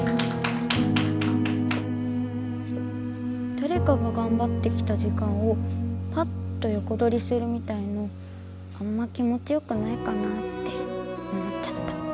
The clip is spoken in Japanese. だれかががんばってきた時間をパッとよこどりするみたいのあんま気持ちよくないかなって思っちゃった。